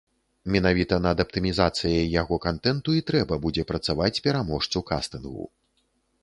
Менавіта над аптымізацыяй яго кантэнту і трэба будзе працаваць пераможцу кастынгу.